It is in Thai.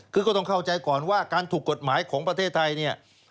คือก็ต้องเข้าใจก่อนว่าการถูกกฎหมายของประเทศไทยเนี่ย